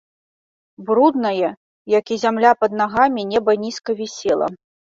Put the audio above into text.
Бруднае, як і зямля пад нагамі, неба нізка вісела.